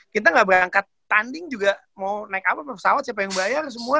kita nggak berangkat tanding juga mau naik apa pesawat siapa yang bayar semua